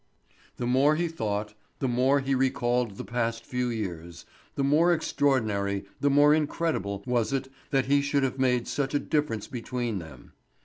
The more he thought, the more he recalled the past few years, the more extraordinary, the more incredible was it that he should have made such a difference between them.